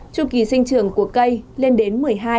chu kỳ sinh trường của cây lên đến